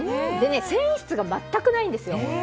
繊維質が全くないんですよ。